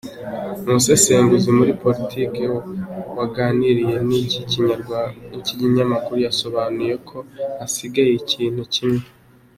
Umusesenguzi muri Politiki waganiriye n’iki kinyamakuru yasobanuye ko hasigaye ikintu kimwe.